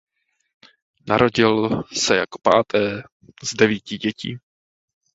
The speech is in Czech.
Narodil se jako páté z devíti dětí.